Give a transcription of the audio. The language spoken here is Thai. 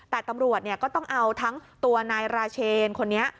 แต่ตำรวจก็ต้องเอาทั้งตัวนายราเชนคนนี้